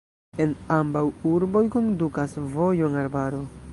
En ambaŭ urbojn kondukas vojo en arbaro.